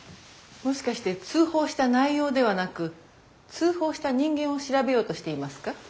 もしかして通報した内容ではなく通報した人間を調べようとしていますか？